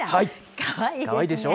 かわいいでしょ。